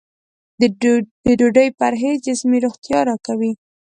د ډوډۍ پرهېز جسمي روغتیا راکوي.